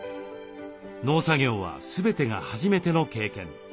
農作業は全てが初めての経験。